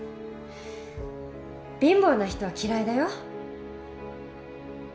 貧乏な人は嫌いだよ。